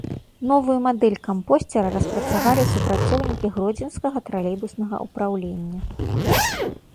Новую мадэль кампосцера распрацавалі супрацоўнікі гродзенскага тралейбуснага ўпраўлення.